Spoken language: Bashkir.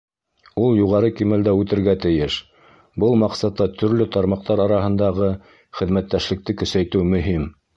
Ул юғары кимәлдә үтергә тейеш, был маҡсатта төрлө тармаҡтар араһындағы хеҙмәттәшлекте көсәйтеү мөһим.